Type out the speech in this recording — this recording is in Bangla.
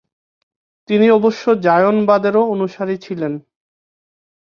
তিনি অবশ্য জায়নবাদেরও অণুসারি ছিলেন।